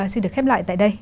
xin được khép lại tại đây